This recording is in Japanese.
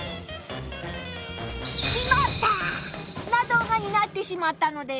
「しまった！」な動画になってしまったのです。